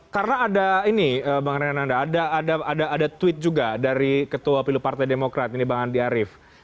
karena ada ini bang renanda ada tweet juga dari ketua pilu partai demokrat ini bang andi arief